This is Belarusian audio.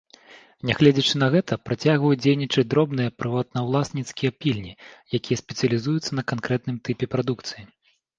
Нягледзячы на гэта, працягваюць дзейнічаць дробныя прыватнаўласніцкія пільні, якія спецыялізуюцца на канкрэтным тыпе прадукцыі.